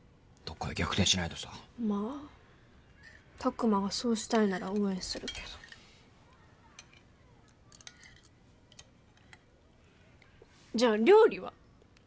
どっかで逆転しないとさまあ拓真がそうしたいなら応援するけどじゃあ料理は？